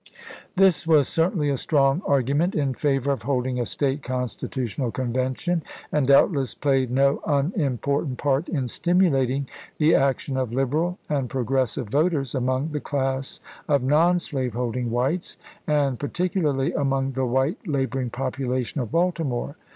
This was certainly a strong argument in favor of holding a State Constitutional Convention, and doubtless played no unimportant part in stimulating the action of liberal and progi'essive voters among the class of non slaveholding whites, and particu larly among the white laboring population of Bal timore.